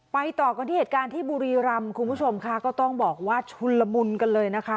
ต่อกันที่เหตุการณ์ที่บุรีรำคุณผู้ชมค่ะก็ต้องบอกว่าชุนละมุนกันเลยนะคะ